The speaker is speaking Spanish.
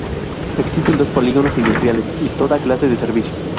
Existen dos polígonos industriales y toda clase de servicios.